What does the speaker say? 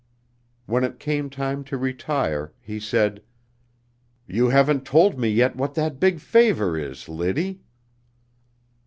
When it came time to retire, he said: "You haven't told me yet what that big favor is, Liddy!"